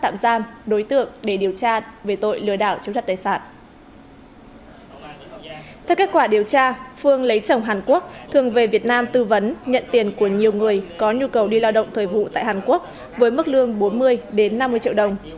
phương lấy chồng hàn quốc thường về việt nam tư vấn nhận tiền của nhiều người có nhu cầu đi lao động thời vụ tại hàn quốc với mức lương bốn mươi năm mươi triệu đồng